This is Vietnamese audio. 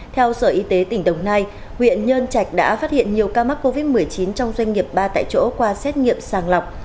theo sở y tế tỉnh đồng nai huyện nhơn trạch đã phát hiện nhiều ca mắc covid một mươi chín trong doanh nghiệp ba tại chỗ qua xét nghiệm sàng lọc